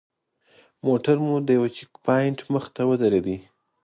موټر مو د یوه چیک پواینټ مخې ته ودرېد.